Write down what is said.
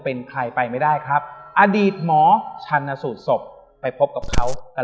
เป็นใครไปไม่ได้ครับอดีตหมอชันสูตรศพไปพบกับเขาเอ่อ